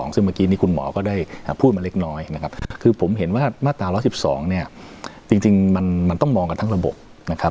ซึ่งเมื่อกี้นี้คุณหมอก็ได้พูดมาเล็กน้อยนะครับคือผมเห็นว่ามาตรา๑๑๒เนี่ยจริงมันต้องมองกันทั้งระบบนะครับ